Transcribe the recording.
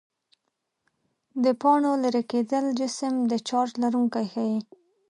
د پاڼو لیري کېدل جسم د چارج لرونکی ښيي.